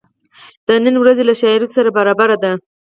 د نني ورځی له شرایطو سره برابره ده.